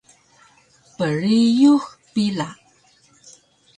Priyux pila